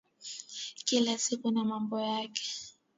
Kila siku na mambo yake.